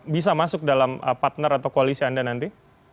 bisa masuk dalam partner atau koalisi anda nanti